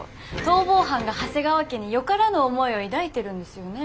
逃亡犯が長谷川家によからぬ思いを抱いてるんですよね？